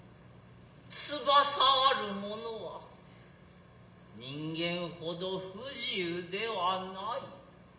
翼あるものは人間ほど不自由ではない。